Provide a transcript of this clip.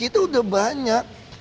itu udah banyak